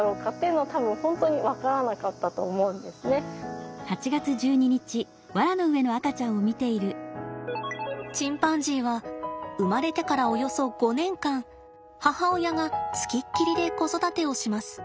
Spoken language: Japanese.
多分チンパンジーは生まれてからおよそ５年間母親がつきっきりで子育てをします。